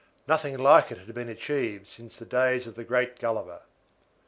Nothing like it had been achieved since the days of the great Gulliver.